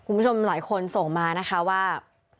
คุณผู้ชมหลายคนส่งมานะคะว่า